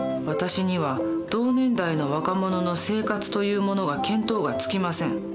私には同年代の若者の生活というものが見当がつきません。